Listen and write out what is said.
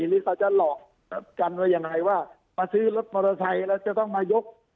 หรือเขาจะหลอกกันว่ายังไงว่ามาซื้อรถมอเตอร์ไซค์แล้วจะต้องมายก